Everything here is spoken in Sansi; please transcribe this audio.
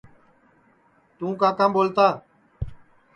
توں کاکام ٻولتا